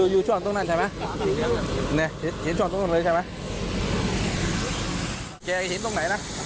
อยู่ช่วงตรงนั้นใช่ไหมนี่เห็นช่วงตรงนั้นเลยใช่ไหม